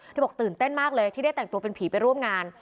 บอกตื่นเต้นมากเลยที่ได้แต่งตัวเป็นผีไปร่วมงาน